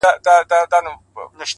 عاجزي د لویوالي ښکاره نښه ده.!